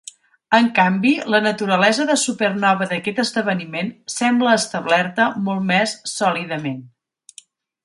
En canvi, la naturalesa de supernova d'aquest esdeveniment sembla establerta molt més sòlidament.